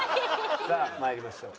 さあ参りましょう。